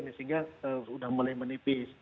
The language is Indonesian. sehingga sudah mulai menipis